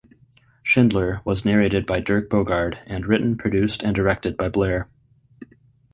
"Schindler" was narrated by Dirk Bogarde and written, produced and directed by Blair.